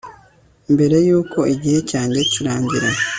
mbere yuko igihe cyanjye kirangira